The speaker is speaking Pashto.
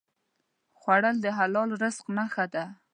خوړل د حلال رزق نښه ده